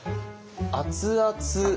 「熱々」